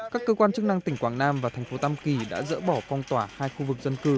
các cơ quan chức năng tỉnh quảng nam và thành phố tam kỳ đã dỡ bỏ phong tỏa hai khu vực dân cư